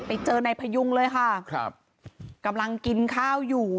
เพื่อเจอในพยุงเลยค่ะกำลังกินข้าวอยู่